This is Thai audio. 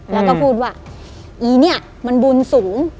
แล้วก็พูดว่าอีเนี่ยมันบุญสูง